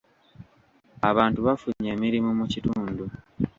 Abantu bafunye emirimu mu kitundu.